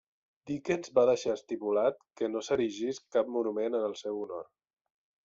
Dickens va deixar estipulat que no s'erigís cap monument en el seu honor.